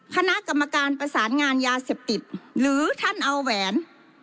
คณะกรรมการประสานงานยาเสพติดหรือท่านเอาแหวน